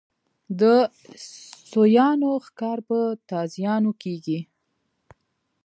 د سویانو ښکار په تازیانو کېږي.